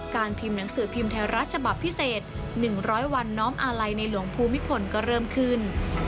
พิมพ์หนังสือพิมพ์ไทยรัฐฉบับพิเศษ๑๐๐วันน้อมอาลัยในหลวงภูมิพลก็เริ่มขึ้น